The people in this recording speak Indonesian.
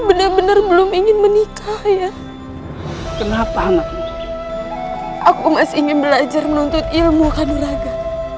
benar benar belum ingin menikah ya kenapa anakmu aku masih ingin belajar menuntut ilmu kanuraga